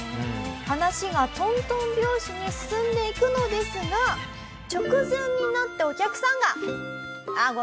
話がとんとん拍子に進んでいくのですが直前になってお客さんが。